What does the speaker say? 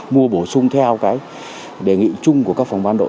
mua bổ sung theo cái đề nghị chung của các phòng ban đội